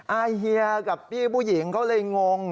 อายเฮียกับพี่ผู้หญิงเขาเลยงง